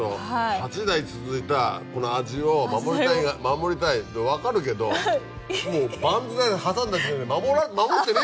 ８代続いたこの味を守りたい分かるけどもうバンズで挟んだ時点で。